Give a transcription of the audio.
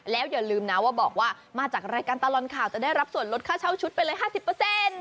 แล้วอย่าลืมนะว่าบอกว่ามาจากรายการตลอดข่าวจะได้รับส่วนลดค่าเช่าชุดไปเลย๕๐